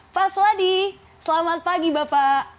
pak seladi selamat pagi bapak